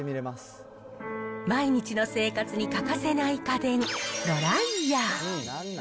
毎日の生活に欠かせない家電、ドライヤー。